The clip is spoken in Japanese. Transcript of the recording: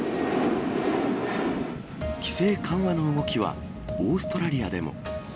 規制緩和の動きはオーストラリアでも。